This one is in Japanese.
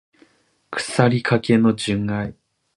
腐りかけの純愛